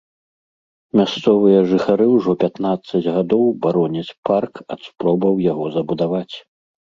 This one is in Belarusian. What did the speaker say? Мясцовыя жыхары ўжо пятнаццаць гадоў бароняць парк ад спробаў яго забудаваць.